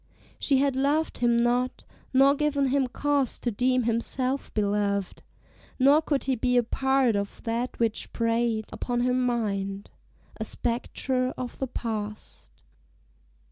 she had loved him not, Nor given him cause to deem himself beloved, Nor could he be a part of that which preyed Upon her mind a spectre of the past.